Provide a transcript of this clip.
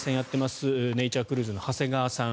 知床ネイチャークルーズの長谷川さん。